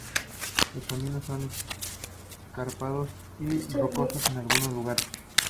Los caminos son escarpados y rocosos en algunos lugares.